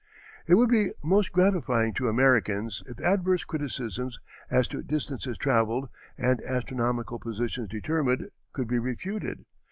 It would be most gratifying to Americans if adverse criticisms as to distances travelled and astronomical positions determined could be refuted.